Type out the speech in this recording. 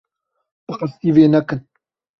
Bi qesdî vê nekin.